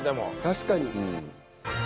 確かに。